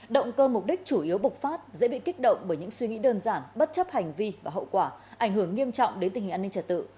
động cơ mục đích chủ yếu bục phát dễ bị kích động bởi những suy nghĩ đơn giản bất chấp hành vi và hậu quả ảnh hưởng nghiêm trọng đến tình hình an ninh trật tự